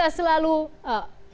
dan kita selalu berkata